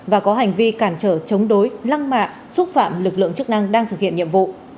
và có hành vi cản trở chống đối lăng mạ xúc phạm lực lượng chức năng đang thực hiện nhiệm vụ